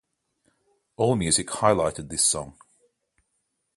Allmusic highlighted this song.